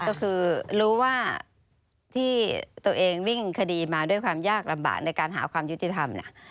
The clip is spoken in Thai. ก็คือรู้ว่าที่ตัวเองวิ่งคดีมาด้วยความยากลำบากในการหาความยุติธรรมเนี่ย